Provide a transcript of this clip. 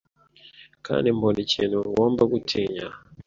Kandi mbona ikintu ngomba gutinya